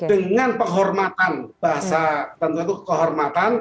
dengan penghormatan bahasa tentu kehormatan